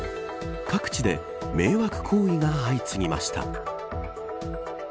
各地で迷惑行為が相次ぎました。